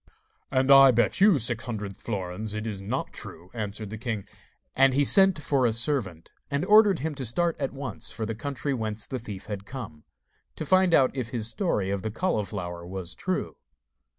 'And I bet you six hundred florins it is not true,' answered the king. And he sent for a servant, and ordered him to start at once for the country whence the thief had come, to find out if his story of the cauliflower was true.